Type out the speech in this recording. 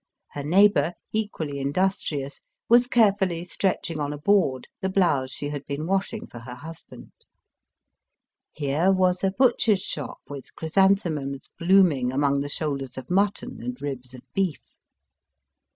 Her neighbour, equally industrious, was carefully stretching on a board the blouse she had been washing for her husband. Here was a butcher's shop with chrysanthemums blooming among the shoulders of mutton and ribs of beef.